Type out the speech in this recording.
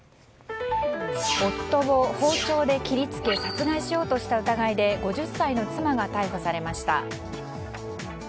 夫を包丁で切り付け殺害しようとした疑いで５０歳の妻が逮捕されました。